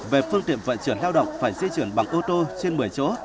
về phương tiện vận chuyển lao động phải di chuyển bằng ô tô trên một mươi chỗ